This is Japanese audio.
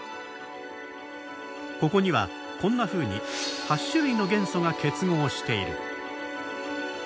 ここにはこんなふうに８種類の元素が結合している。